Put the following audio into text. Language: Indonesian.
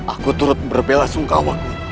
aku turut berbela sungkawa